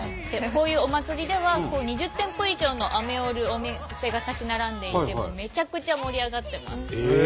こういうお祭りでは２０店舗以上のアメを売るお店が立ち並んでいてめちゃくちゃ盛り上がってます。